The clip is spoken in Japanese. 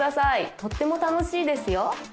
とっても楽しいですよ